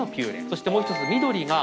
そしてもう１つ緑が。